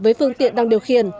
với phương tiện đang điều khiển